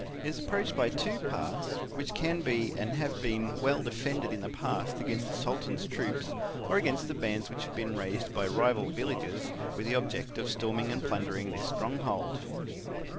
It is approached by two paths, which can be and have been well defended in the past against the Sultan's troops or against the bands which have been raised by rival villages with the object of storming and plundering this stronghold.